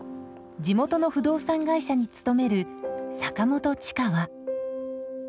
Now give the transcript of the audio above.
地元の不動産会社に勤める坂元知花は。